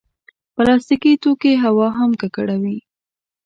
پلاستيکي توکي هوا هم ککړوي.